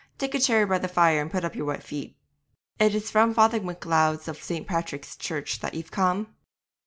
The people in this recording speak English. Take a chair by the fire and put up your wet feet. It is from Father M'Leod of St. Patrick's Church that ye've come?'